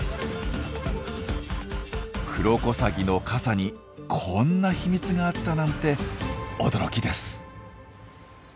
クロコサギの傘にこんな秘密があったなんて驚きです。